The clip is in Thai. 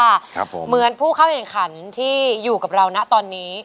เธอก็เขียนแม่ขันที่อยู่กันนะ